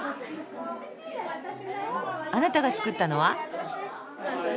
あなたが作ったのは？